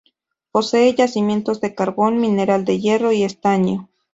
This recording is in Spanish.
Posee yacimientos de carbón, mineral de hierro y estaño.